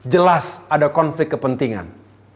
jelas ada konflik kepentingan